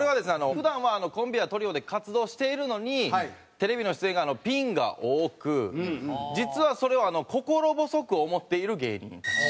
普段はコンビやトリオで活動しているのにテレビの出演がピンが多く実はそれを心細く思っている芸人。